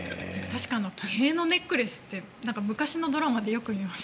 喜平のネックレスって昔のドラマでよく見ました。